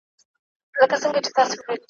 د هغه قوم په نصیب خرسالاري وي ,